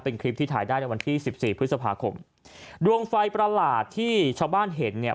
เป็นคลิปที่ถ่ายได้ในวันที่สิบสี่พฤษภาคมดวงไฟประหลาดที่ชาวบ้านเห็นเนี่ย